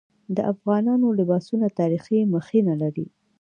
د افغانانو لباسونه تاریخي مخینه لري.